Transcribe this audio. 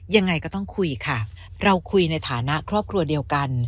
ยังไงก็ต้องคุยค่ะเราคุยในฐานะครอบครัวเดียวกัน